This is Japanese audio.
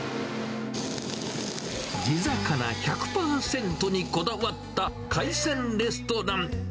地魚１００％にこだわった海鮮レストラン。